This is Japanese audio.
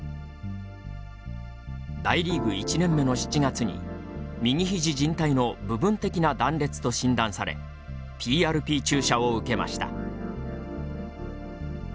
大リーグ１年目の７月に右ひじじん帯の部分的な断裂と診断されＰＲＰ注射を受けました。